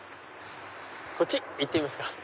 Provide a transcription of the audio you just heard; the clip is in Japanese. こっち行ってみますか。